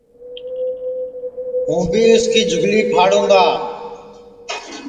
ہوں بھی اُس کی جُھگلی پھاڑوں گا